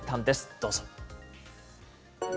どうぞ。